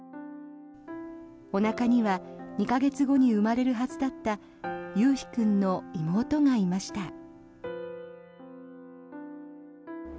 おなかには２か月後に生まれるはずだった悠陽君の妹がいました。